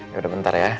ya udah bentar ya